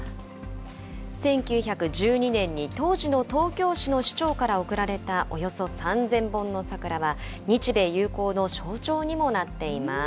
１９１２年に当時の東京市の市長から贈られたおよそ３０００本の桜は、日米友好の象徴にもなっています。